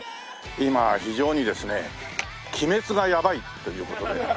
今非常にですね『鬼滅』がやばいという事で。